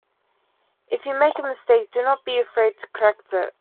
If you make a mistake, do not be afraid to correct it.